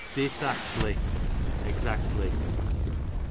Disactly, exactly.